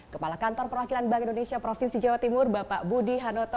kepala kantor perwakilan bank indonesia provinsi jawa timur bapak budi hanoto